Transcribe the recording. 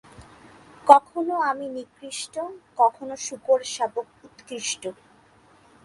কখনও আমি নিকৃষ্ট, কখনও শূকরশাবক উৎকৃষ্ট।